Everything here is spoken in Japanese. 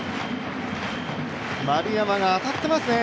丸山が当たっていますね。